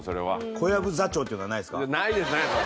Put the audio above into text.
小籔座長っていうのはないですか？